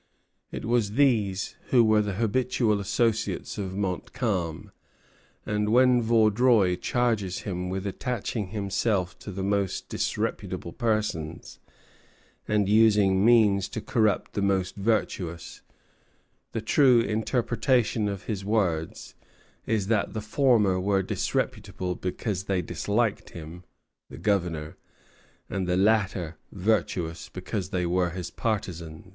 It was these who were the habitual associates of Montcalm; and when Vaudreuil charges him with "attaching to himself the most disreputable persons, and using means to corrupt the most virtuous," the true interpretation of his words is that the former were disreputable because they disliked him (the Governor), and the latter virtuous because they were his partisans.